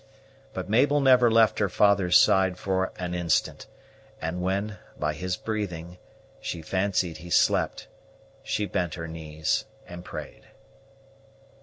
But Mabel never left her father's side for an instant; and when, by his breathing, she fancied he slept, she bent her knees and prayed.